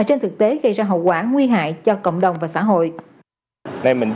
thì nó sẽ tạo ra cái độ mắc này